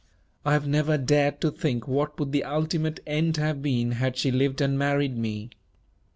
I have never dared to think what would the ultimate end have been had she lived and married me.